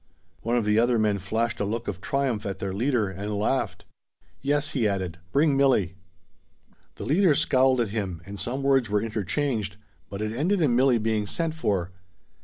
One of the other men flashed a look of triumph at their leader, and laughed. "Yes," he added, "bring Milli." The leader scowled at him, and some words were interchanged, but it ended in Milli being sent for.